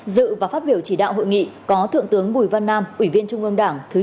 dự và phát biểu chỉ đạo hội nghị có thượng tướng bùi văn nam ủy viên trung ương đảng